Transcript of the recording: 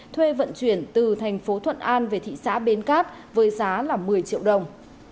thuê vận chuyển từ thành phố thuận an về thị xã bến cát với giá một mươi triệu đồng